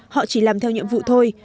họ chỉ làm theo nhiệm vụ thôi